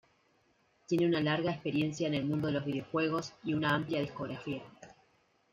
Tiene una larga experiencia en el mundo de los videojuegos y una amplia discografía.